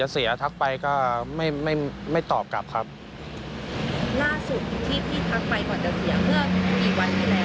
ล่าสุดที่พี่ทักไปก่อนจะเสียเพื่อมีวันให้แล้ว